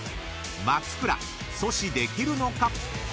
［松倉阻止できるのか⁉］